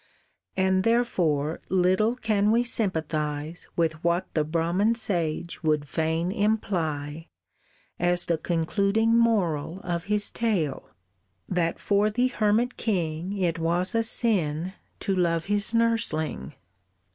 And therefore little can we sympathize With what the Brahman sage would fain imply As the concluding moral of his tale, That for the hermit king it was a sin To love his nursling.